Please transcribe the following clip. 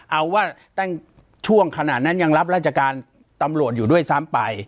เอาว่าตั้งช่วงขนาดนั้นยังรับราชการตำรวจอยู่ด้วยซ้ำไป